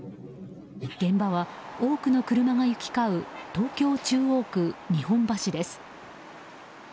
現場は多くの車が行き交う東京・中央区日本橋です。